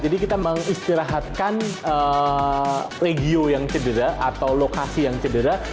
jadi kita mengistirahatkan regio yang cedera atau lokasi yang cedera